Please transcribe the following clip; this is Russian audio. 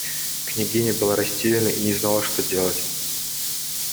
Княгиня была растеряна и не знала, что делать.